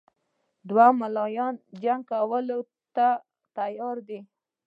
دواړه ملایان جنګ کولو ته تیار دي.